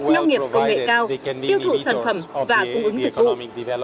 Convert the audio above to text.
nông nghiệp công nghệ cao tiêu thụ sản phẩm và cung ứng dịch vụ